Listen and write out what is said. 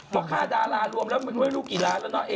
บอกค่าดารารวมแล้วไม่รู้กี่ล้านแล้วเนาะ